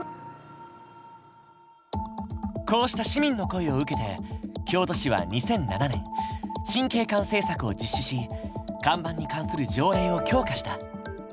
こうした市民の声を受けて京都市は２００７年新景観政策を実施し看板に関する条例を強化した。